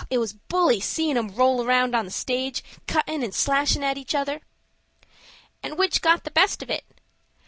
Oh, it was bully seein' 'em roll round on the stage, cuttin' and slashin' at each other." "And which got the best of it?"